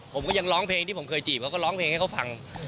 ผมก็ยังร้องเพลงที่ผมเคยจีบเขาก็ร้องเพลงให้เขาฟัง